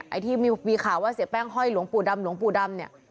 ไอ้ที่มีข่าวว่าเสียแป้งห้อยหลวงปู่ดำหลวงปู่ดำเนี่ย